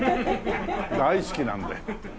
大好きなので。